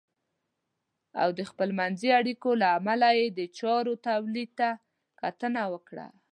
او د خپلمنځي اړیکو له امله یې د چارو تولید ته کتنه وکړه .